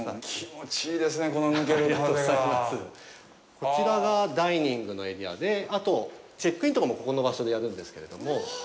こちらがダイニングのエリアであと、チェックインとかもここの場所でやるんですけれども。